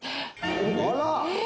「あら！」